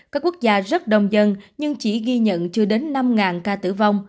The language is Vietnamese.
các quốc gia rất đông dân nhưng chỉ ghi nhận chưa đến năm ca tử vong